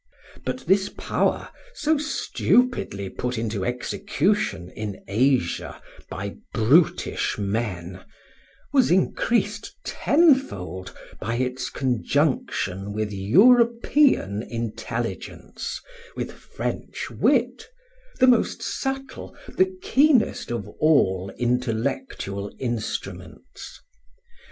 But this power, so stupidly put into execution in Asia by brutish men, was increased tenfold by its conjunction with European intelligence, with French wit the most subtle, the keenest of all intellectual instruments.